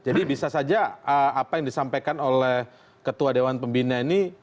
jadi bisa saja apa yang disampaikan oleh ketua dewan pembina ini